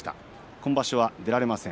今場所は出られません。